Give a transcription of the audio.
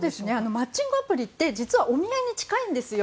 マッチングアプリって実はお見合いに近いんですよ。